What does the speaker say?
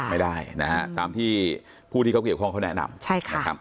ไม่ได้ตามที่ผู้ที่เขาเกี่ยวของเขาแนะนำ